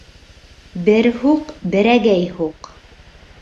Бер һуҡ, берәгәй һуҡ.